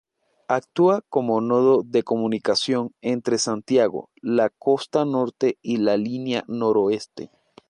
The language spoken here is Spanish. Actúa como nodo de comunicación entre Santiago, la costa norte y la Línea Noroeste.